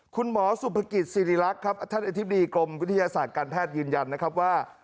คุณหมอสุภกิจสิริรักษ์ครับท่านอธิบดีกรมวิทยาศาสตร์การแพทย์ยืนยันนะครับว่า